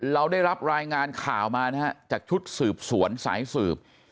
เราได้รับรายงานข่าวมานะฮะจากชุดสืบสวนสายสืบ